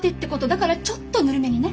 だからちょっとぬるめにね。